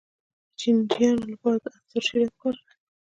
د چینجیانو لپاره د انځر شیره وکاروئ